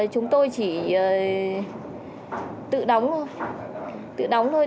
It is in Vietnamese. chúng tôi chỉ tự đóng thôi